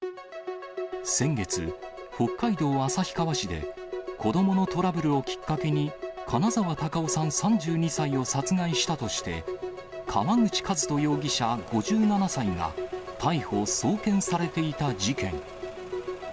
先月、北海道旭川市で、子どものトラブルをきっかけに金沢孝雄さん３２歳を殺害したとして、川口和人容疑者５７歳が、逮捕・送検されていた事件。